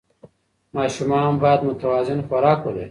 ماشومان باید متوازن خوراک ولري.